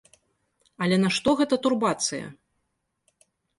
Але нашто гэта турбацыя?